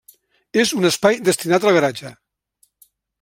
És un espai destinat al garatge.